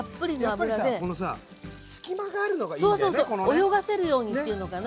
泳がせるようにっていうのかな。